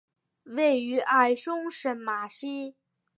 位于埃松省马西。